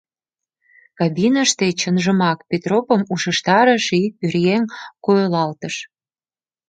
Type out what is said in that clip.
Кабиныште, чынжымак, Петропым ушештарыше ик пӧръеҥ койылалтыш.